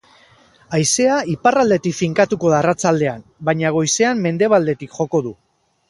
Haizea iparraldetik finkatuko da arratsaldean, baina goizean mendebaldetik joko du.